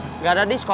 enggak ada diskon